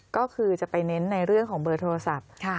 ก็คือจะไปเน้นในเรื่องของเบอร์โทรศัพท์